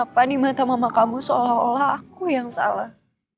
kenapa mata mama kamu seolah olah aku yang salah